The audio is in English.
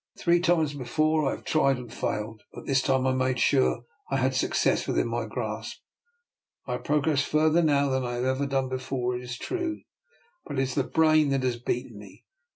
Three times before I have tried and failed, but this time I made sure I had success within my grasp. I have progressed further now than I have ever done before, it is true; but it is the brain that has beaten me.